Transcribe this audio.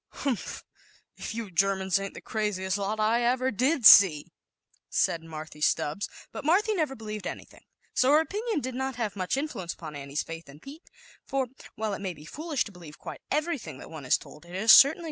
f^ " "Humph! if you Germans ain't the craziest lot I ever did see," said Marthy Stubbs, but Marthy never believed any thing, so her opinion did not have much influence upon Annie's faith in Pete, for, while it may be foolish to believe quiti everything that is told one, it is certainly 11^?